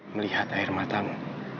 melihat air matamu